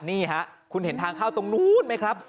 นี่ฮะคุณเห็นทางเข้าตรงนู้นไหมครับ